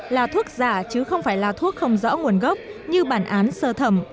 là thuốc giả chứ không phải là thuốc không rõ nguồn gốc như bản án sơ thẩm